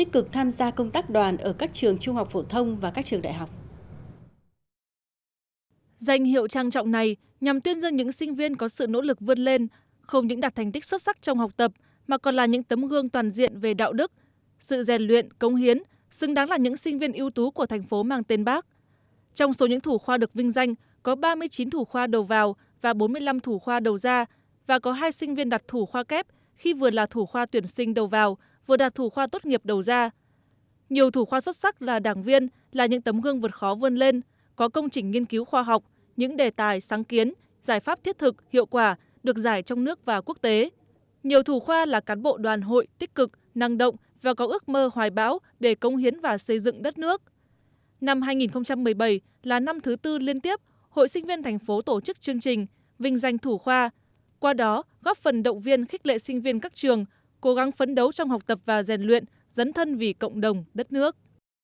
qua đó góp phần động viên khích lệ sinh viên các trường cố gắng phấn đấu trong học tập và rèn luyện dấn thân vì cộng đồng đất nước